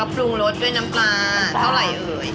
ปรุงรสด้วยน้ำปลาเท่าไหร่เอ๋ย